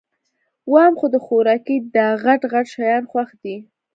وام خو د خوارکي داغټ غټ شیان خوښ دي